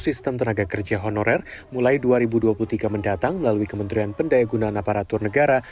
sistem tenaga kerja honorer mulai dua ribu dua puluh tiga mendatang melalui kementerian pendaya gunaan aparatur negara